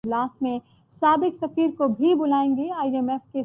وہ سنگین الزامات کی گرفت میں ہیں۔